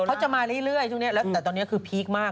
เขาจะมาเรื่อยตอนนี้แต่ตอนนี้คือพีคมาก